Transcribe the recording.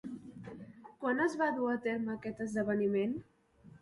Quan es va dur a terme aquest esdeveniment?